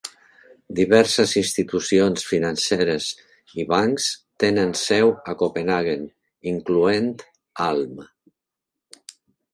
Diverses institucions financeres i bancs tenen seu a Copenhaguen, incloent Alm.